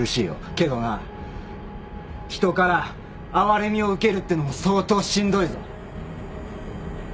けどな人から哀れみを受けるってのも相当しんどいぞ。